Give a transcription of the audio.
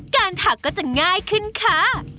ถักก็จะง่ายขึ้นค่ะ